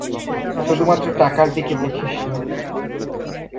শুধুমাত্র টাকার দিকে দেখিস না।